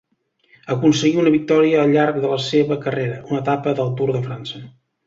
Aconseguí una victòria al llarg de la seva carrera, una etapa del Tour de França.